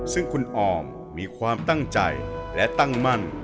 ซึ่งคุณออมมีความตั้งใจและตั้งมั่น